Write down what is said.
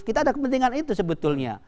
kita ada kepentingan itu sebetulnya